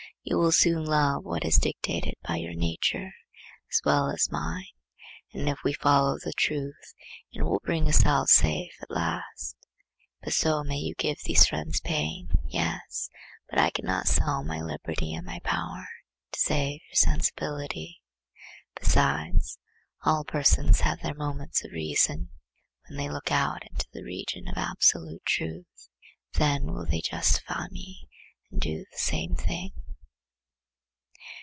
You will soon love what is dictated by your nature as well as mine, and if we follow the truth it will bring us out safe at last.'—But so may you give these friends pain. Yes, but I cannot sell my liberty and my power, to save their sensibility. Besides, all persons have their moments of reason, when they look out into the region of absolute truth; then will they justify me and do the same thing.